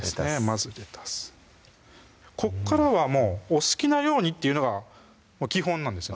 まずレタスこっからはもうお好きなようにっていうのが基本なんです